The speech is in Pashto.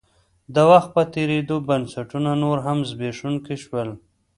د وخت په تېرېدو بنسټونه نور هم زبېښونکي شول.